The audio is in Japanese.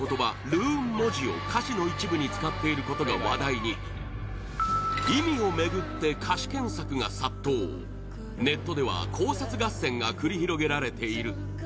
ルーン文字を歌詞の一部に使っていることが話題に意味を巡って歌詞検索が殺到ネットでは考察合戦が繰り広げられている